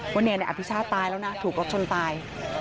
วันนี้แหละอะภิกษะตายแล้วนะถูกรกชนตาย